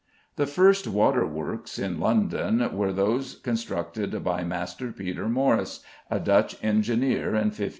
The first waterworks in London were those constructed by Master Peter Morrys, a Dutch engineer, in 1582.